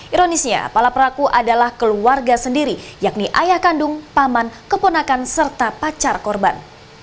ironisnya pala peraku adalah keluarga sendiri yakni ayah kandung paman keponakan serta pacar korban